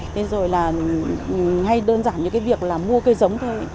thế rồi là hay đơn giản như cái việc là mua cây giống thôi